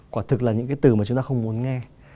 quả thực là những cái từ mà chúng ta không muốn nghe